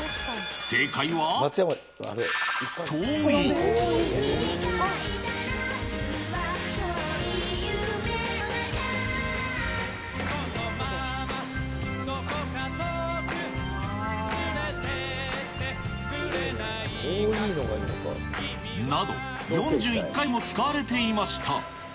正解は、遠い。など、４１回も使われていました。